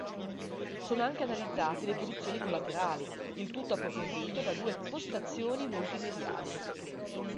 Sono anche analizzate le produzioni collaterali; il tutto approfondito da due postazioni multimediali.